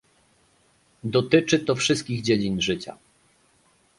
Dotyczy to wszystkich dziedzin życia